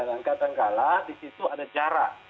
nah kadangkala di situ ada cara